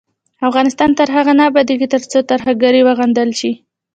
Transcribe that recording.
افغانستان تر هغو نه ابادیږي، ترڅو ترهګري وغندل شي.